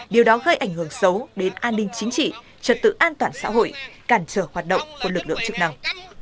điều đó gây ảnh hưởng xấu đến an ninh chính trị trật tự an toàn xã hội cản trở hoạt động của lực lượng chức năng